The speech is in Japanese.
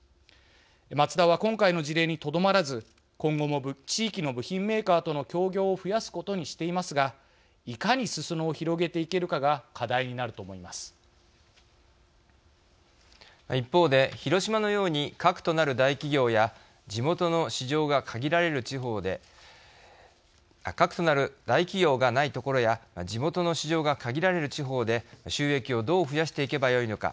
マツダは今回の事例にとどまらず今後も地域の部品メーカーとの協業を増やすことにしていますがいかにすそ野を広げていけるかが一方で、広島のように核となる大企業や地元の市場が限られる地方で核となる大企業がないところや地元の市場が限られる地方で収益をどう増やしていけばよいのか。